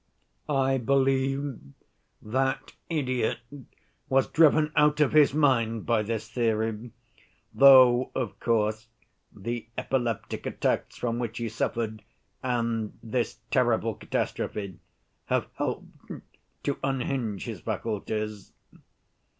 I believe that idiot was driven out of his mind by this theory, though, of course, the epileptic attacks from which he suffered, and this terrible catastrophe, have helped to unhinge his faculties.